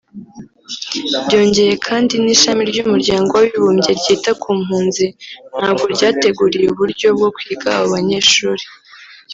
Byongeye kandi n’ishami ry’umuryango w’Abibumbye ryita ku mpunzi ntabwo ryateguriye uburyo bwo kwiga abo banyeshuri